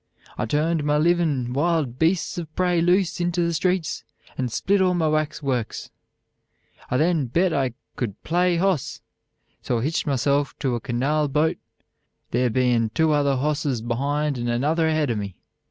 I turned my livin' wild beasts of Pray loose into the streets, and split all my wax works. "I then Bet I cood play hoss. So I hitched myself to a kanawl bote, there bein' two other hosses behind and anuther ahead of me.